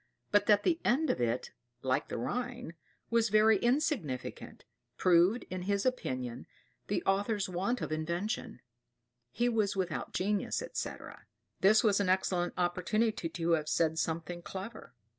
But that the end of it, like the Rhine, was very insignificant, proved, in his opinion, the author's want of invention; he was without genius, etc. This was an excellent opportunity to have said something clever.